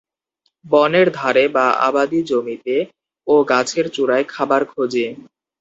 বনের ধারে বা আবাদি জমিতে ও গাছের চূড়ায় খাবার খোঁজে।